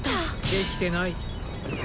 できてない。